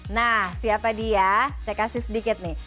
nah siapa dia saya kasih sedikit nih